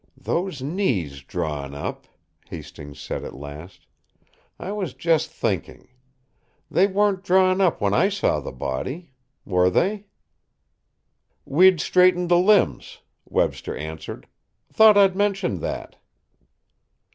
"Those knees drawn up," Hastings said at last; "I was just thinking. They weren't drawn up when I saw the body. Were they?" "We'd straightened the limbs," Webster answered. "Thought I'd mentioned that."